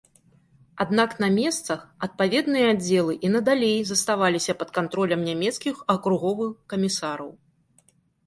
Аднак на месцах адпаведныя аддзелы і надалей заставаліся пад кантролем нямецкіх акруговых камісараў.